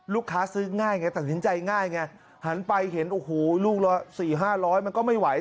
ซื้อง่ายไงตัดสินใจง่ายไงหันไปเห็นโอ้โหลูกละ๔๕๐๐มันก็ไม่ไหว